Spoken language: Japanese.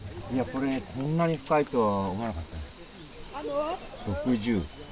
こんなに深いとは思わなかったです。